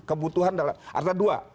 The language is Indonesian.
kebutuhan adalah ada dua